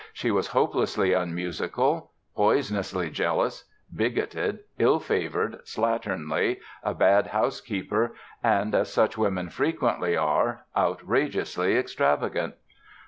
She was hopelessly unmusical, poisonously jealous, bigoted, ill favored, slatternly, a bad housekeeper and, as such women frequently are, outrageously extravagant.